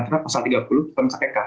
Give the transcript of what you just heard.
terutama pasal tiga puluh pem kpk